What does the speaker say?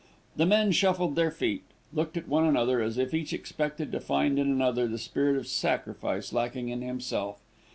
The men shuffled their feet, looked at one another, as if each expected to find in another the spirit of sacrifice lacking in himself.